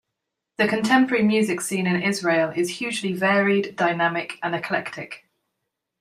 The contemporary music scene in Israel is hugely varied, dynamic and eclectic.